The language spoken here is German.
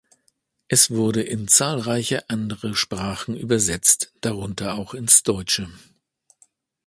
Es wurde in zahlreiche andere Sprachen übersetzt, darunter auch ins Deutsche.